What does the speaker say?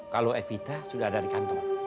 kalau evita sudah ada di kantor